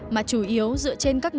mà chủ yếu dựa trên các nội dung